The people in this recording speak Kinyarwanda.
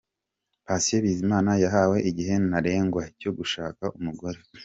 Patient Bizimana yahawe igihe ntarengwa cyo gushaka umugore.